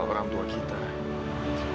mereka sudah dewasa